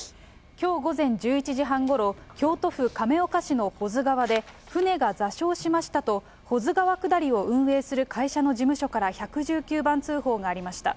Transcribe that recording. きょう午前１１時半ごろ、京都府亀岡市の保津川で、舟が座礁しましたと、保津川下りを運営する会社の事務所から１１９番通報がありました。